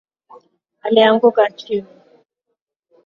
Alianguka chini